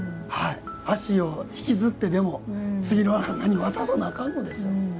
足を引きずってでも次のランナーに渡さなあかんのですよ。